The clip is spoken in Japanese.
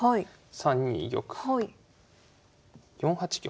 ３二玉４八玉。